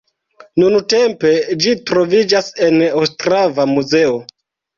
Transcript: Nuntempe ĝi troviĝas en Ostrava muzeo.